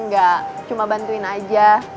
ga cuma bantuin aja